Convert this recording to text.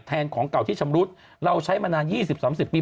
แทนของเก่าที่ชำรุษเราใช้มานานยี่สิบสามสิบปี